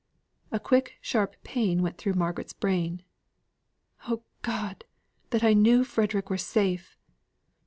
A quick, sharp pain went through Margaret's brain. "Oh God! that I knew Frederick were safe!"